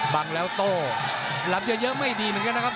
บังแล้วโต้รับเยอะไม่ดีเหมือนกันนะครับ